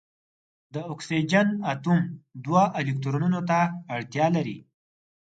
د اکسیجن اتوم دوه الکترونونو ته اړتیا لري.